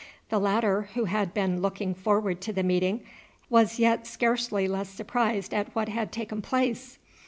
The latter, who had been looking forward to the meeting, was yet scarcely less surprised at what had taken place.